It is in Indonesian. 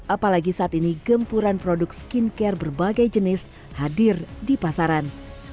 apalagi saat ini gempuran produk skincare berbagai jenis hadir di pasaran